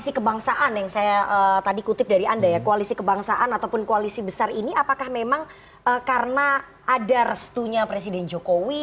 dan kebangsaan yang saya tadi kutip dari anda ya koalisi kebangsaan ataupun koalisi besar ini apakah memang karena ada restunya presiden jokowi